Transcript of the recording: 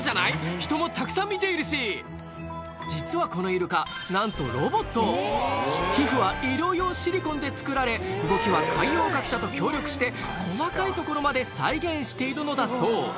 人もたくさん見ているし実はこのイルカなんと皮膚は医療用シリコンで作られ動きは海洋学者と協力して細かいところまで再現しているのだそう